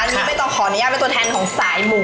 อันนี้ไม่ต้องขออนุญาตเป็นตัวแทนของสายหมู